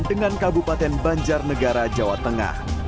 dengan kabupaten banjar negara jawa tengah